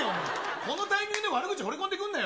そのタイミングで悪口放り込んでくるなよ。